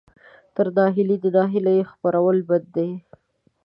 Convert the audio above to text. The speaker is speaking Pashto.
تر ناهیلۍ د ناهیلۍ خپرول بد دي.